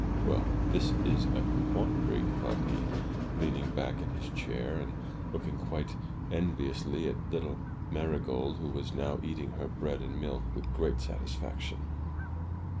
"Well, this is a quandary!" thought he, leaning back in his chair, and looking quite enviously at little Marygold, who was now eating her bread and milk with great satisfaction.